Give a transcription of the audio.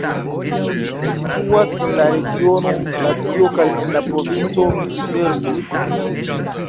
Ĝi situas en la regiono Latio kaj en la provinco Viterbo.